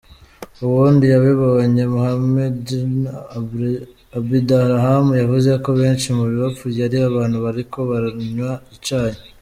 Uwundi yabibonye, Mohamednur Abdirahman, yavuze ko: "Benshi mu bapfuye ari abantu bariko baranywa icayi".